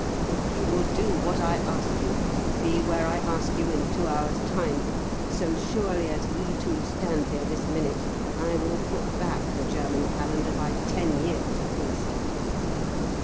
If you will do what I ask you, be where I ask you in two hours' time, so surely as we two stand here this minute, I will put back the German calendar by ten years at least.